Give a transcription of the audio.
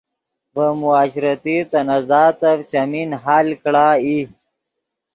ڤے معاشرتی تنازعاتف چیمین حل کڑا ای